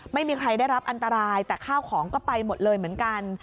ไม่มีใครได้รับอันตรายแต่ข้าวของก็ไปหมดเลยเหมือนกัน